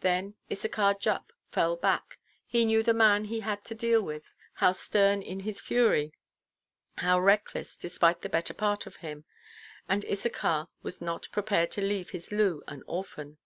Then Issachar Jupp fell back; he knew the man he had to deal with, how stern in his fury, how reckless, despite the better part of him. And Issachar was not prepared to leave his Loo an orphan.